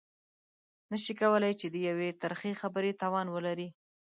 نه شي کولای چې د يوې ترخې خبرې توان ولري.